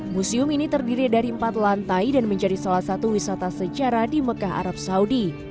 museum ini terdiri dari empat lantai dan menjadi salah satu wisata sejarah di mekah arab saudi